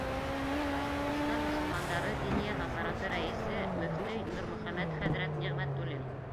Башҡортостан мосолмандары Диниә назараты рәйесе мөфтөй Нурмөхәмәт хәҙрәт Ниғмәтуллин: